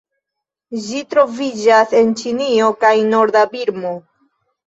Ĝi troviĝas en Ĉinio kaj norda Birmo.